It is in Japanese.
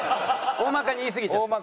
おおまかに言いすぎちゃった。